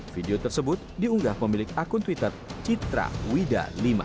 video tersebut diunggah pemilik akun twitter citra wida v